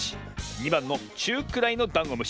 ２ばんのちゅうくらいのダンゴムシ。